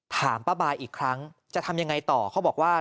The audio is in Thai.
ถามป้าบายอีกครั้งจะทำยังไงต่อเขาบอกว่า